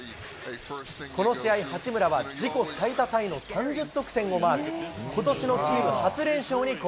この試合、八村は自己最多タイの３０得点をマーク。